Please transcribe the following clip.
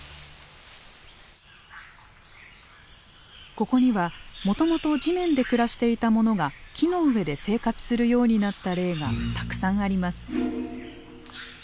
ここにはもともと地面で暮らしていた者が木の上で生活するようになった例がたくさんあります。